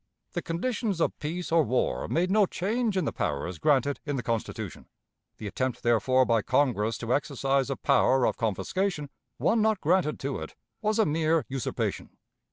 The conditions of peace or war made no change in the powers granted in the Constitution. The attempt, therefore, by Congress, to exercise a power of confiscation, one not granted to it, was a mere usurpation.